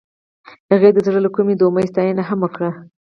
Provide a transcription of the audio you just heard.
هغې د زړه له کومې د امید ستاینه هم وکړه.